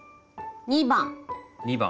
２番。